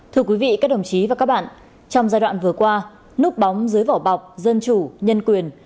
thưa quý vị các đồng chí và các bạn trong giai đoạn vừa qua núp bóng dưới vỏ bọc dân chủ nhân quyền